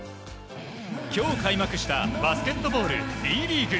今日開幕したバスケットボールＢリーグ。